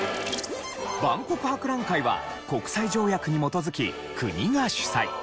万国博覧会は国際条約に基づき国が主催。